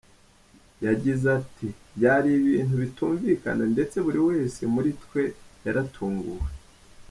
Yagize ati “Byari ibintu bitumvikana ndetse buri wese muri twe yaratunguwe.